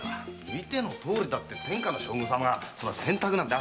「見てのとおりだ」って天下の将軍様が洗濯なんて。